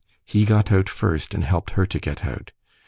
He got out first and helped her to get out.